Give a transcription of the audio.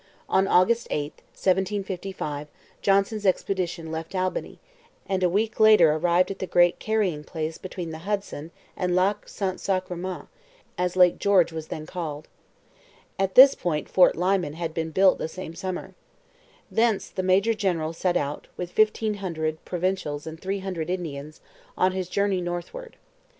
On August 8, 1755, Johnson's expedition left Albany, and a week later arrived at the great carrying place between the Hudson and Lac St Sacrement, as Lake George was then called. At this point Fort Lyman [Footnote: Afterwards named Fort Edward.] had been built the same summer. Thence the major general set out, with fifteen hundred provincials and three hundred Indians, on his journey northward.